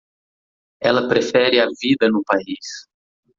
Ela prefere a vida no país.